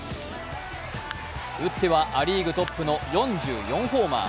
打ってはア・リーグトップの４４ホーマー。